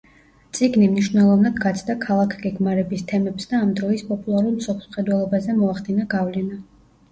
წიგნი მნიშვნელოვნად გაცდა ქალაქგეგმარების თემებს და ამ დროის პოპულარულ მსოფლმხედველობაზე მოახდინა გავლენა.